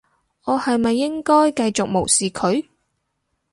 我係咪應該繼續無視佢？